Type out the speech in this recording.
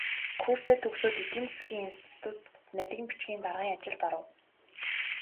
Курсээ төгсөөд эдийн засгийн институцэд нарийн бичгийн даргын ажилд оров.